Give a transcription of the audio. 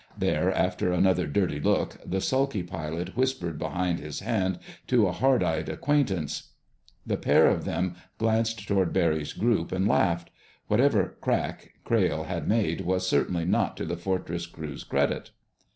There, after another dirty look, the sulky pilot whispered behind his hand to a hard eyed acquaintance. The pair of them glanced toward Barry's group and laughed. Whatever "crack" Crayle had made was certainly not to the Fortress crew's credit.